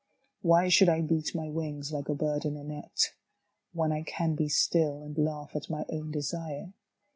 Why should I beat my wings like a bird in a net. When I can be still and laugh at my own desire?